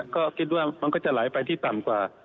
ก็คิดว่ามันก็จะไหลไปที่ต่ำกว่า